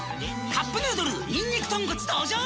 「カップヌードルにんにく豚骨」登場！